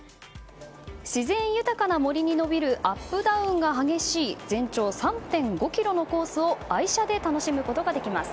自然豊かな森に延びるアップダウンが激しい全長３．５ｋｍのコースを愛車で楽しめます。